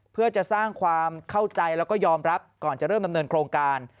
เพื่อจะสร้างความเข้าใจแล้วก็ยอมรับก่อนจะเริ่มดำเนินโครงการ